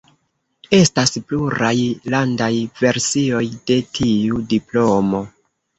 Estas pluraj landaj versioj de tiu diplomo.